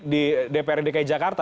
di dprd dki jakarta